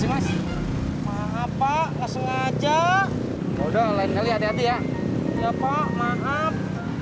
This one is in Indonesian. manis maaf pak sengaja udah ngelewati ya ya pak maaf